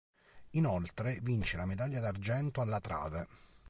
Inoltre vince la medaglia d'argento alla trave.